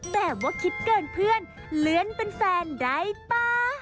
แบบว่าคิดเกินเพื่อนเลื่อนเป็นแฟนได้ป่ะ